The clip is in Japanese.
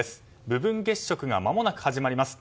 部分月食がまもなく始まります。